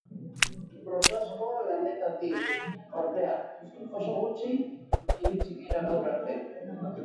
Prosazko lanetatik, ordea, oso gutxi iritsi dira gaur arte.